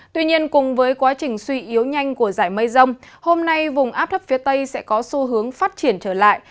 tuy nhiên cùng với quá trình suy yếu nhanh của giải mây rông hôm nay vùng áp thấp phía tây sẽ có xu hướng phát triển trở lại